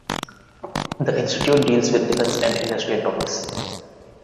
The Institute deals with defense and industrial topics.